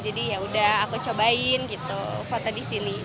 jadi ya udah aku cobain gitu foto disini